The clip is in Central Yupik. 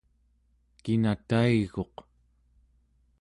kina taiguq